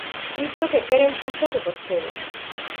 Iso é o que queren facer vostedes.